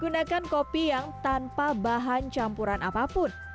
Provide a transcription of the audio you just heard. gunakan kopi yang tanpa bahan campuran apapun